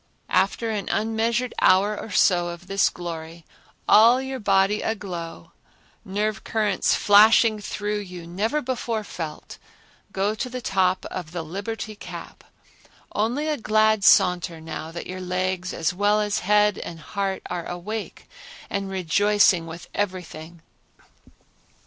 After an unmeasured hour or so of this glory, all your body aglow, nerve currents flashing through you never before felt, go to the top of the Liberty Cap, only a glad saunter now that your legs as well as head and heart are awake and rejoicing with everything.